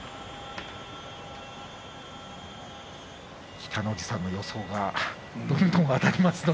北の富士さんの予想がどんどん当たりますね。